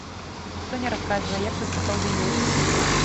Ніхто не расказвае, як тут сапраўды ёсць.